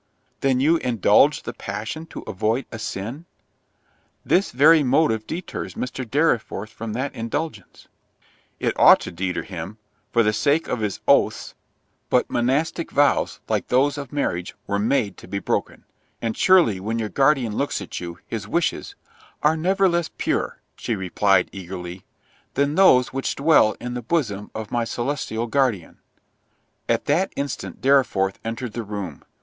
"Then you indulge the passion to avoid a sin?—this very motive deters Mr. Dorriforth from that indulgence." "It ought to deter him, for the sake of his oaths—but monastick vows, like those of marriage, were made to be broken—and surely when your guardian looks at you, his wishes"—— "Are never less pure," she replied eagerly, "than those which dwell in the bosom of my celestial guardian." At that instant Dorriforth entered the room.